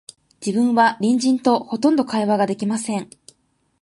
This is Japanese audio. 自分は隣人と、ほとんど会話が出来ません